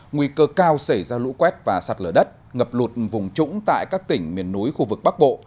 nguy cơ cao xảy ra lũ quét và sạt lở đất ngập lụt vùng trũng tại các tỉnh miền núi khu vực bắc bộ